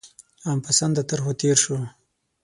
عام پسنده طرحو تېر شو.